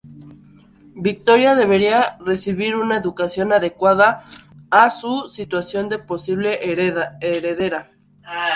Victoria debía recibir una educación adecuada a su situación de posible heredera.